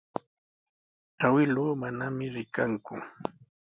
Awkilluu manami rikanku.